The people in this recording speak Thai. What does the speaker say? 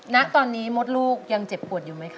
ณตอนนี้มดลูกยังเจ็บปวดอยู่ไหมคะ